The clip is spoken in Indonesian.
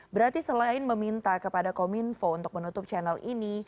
berarti selain meminta kepada kominfo untuk menutup channel ini